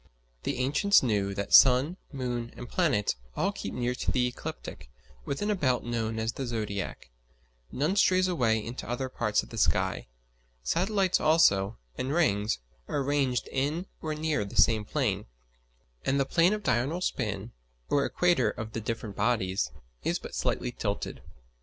The ancients knew that sun moon and planets all keep near to the ecliptic, within a belt known as the zodiac: none strays away into other parts of the sky. Satellites also, and rings, are arranged in or near the same plane; and the plane of diurnal spin, or equator of the different bodies, is but slightly tilted.